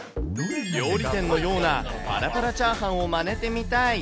料理店のような、パラパラチャーハンをマネてみたい。